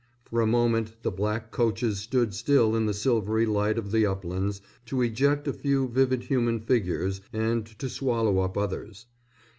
For a moment the black coaches stood still in the silvery light of the uplands to eject a few vivid human figures and to swallow up others.